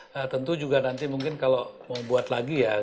nah tentu juga nanti mungkin kalau mau buat lagi ya